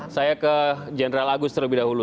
saya ke jenderal agus terlebih dahulu